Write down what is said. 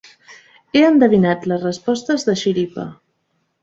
He endevinat les respostes de xiripa.